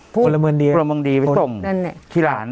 คนละเมือนดีคนละเมือนดีไปส่งที่หลัง